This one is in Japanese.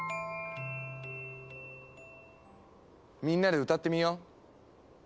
みんなで歌ってみよう。